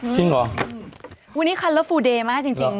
จริงเหรออืมวันนี้คัลเวอร์ฟูเดย์มากจริงจริง